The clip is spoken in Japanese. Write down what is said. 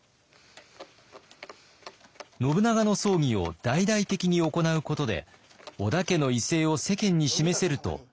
信長の葬儀を大々的に行うことで織田家の威勢を世間に示せると秀吉は考えていました。